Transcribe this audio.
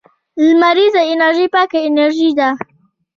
لمریزه انرژي پاکه انرژي ده